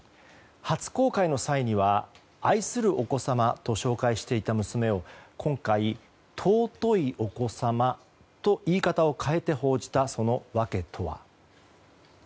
初公開の際には愛するお子様と紹介していた娘を今回、尊いお子様と言い方を変えて報じたその訳とは。